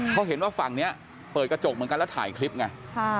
เขาเห็นว่าฝั่งนี้เปิดกระจกเหมือนกันแล้วถ่ายคลิปไง